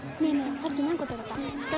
さっき何個取れた？